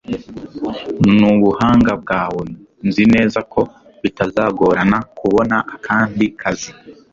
Nubuhanga bwawe, nzi neza ko bitazagorana kubona akandi kazi.